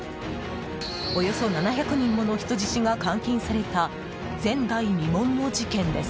およそ７００人もの人質が監禁された、前代未聞の事件です。